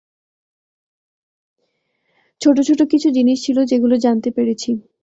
ছোট ছোট কিছু জিনিস ছিল, যেগুলো জানতে পেরেছি।